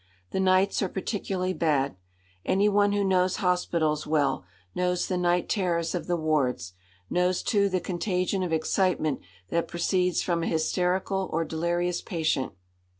The nights are particularly bad. Any one who knows hospitals well, knows the night terrors of the wards; knows, too, the contagion of excitement that proceeds from a hysterical or delirious patient.